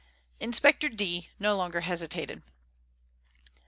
Inspector D no longer hesitated.